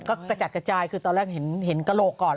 ก็กระจัดกระจายคือตอนแรกเห็นกระโหลกก่อน